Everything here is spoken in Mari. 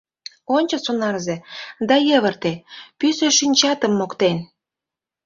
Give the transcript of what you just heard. Ончо, сонарзе, да йывырте, Пӱсӧ шинчатым моктен.